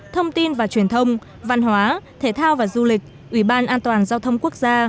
thông tin và truyền thông văn hóa thể thao và du lịch ủy ban an toàn giao thông quốc gia